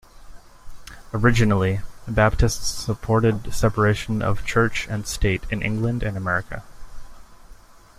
Originally, Baptists supported separation of church and state in England and America.